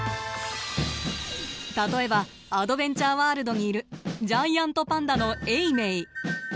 例えばアドベンチャーワールドにいるジャイアントパンダの永明。